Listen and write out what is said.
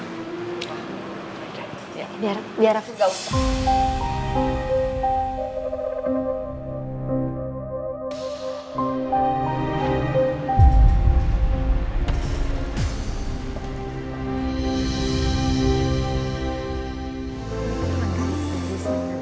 biar aku gak usah